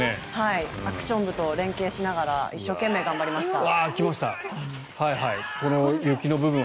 アクション部と連携しながら一生懸命頑張りました。